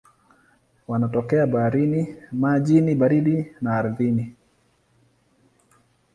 Wanatokea baharini, majini baridi na ardhini.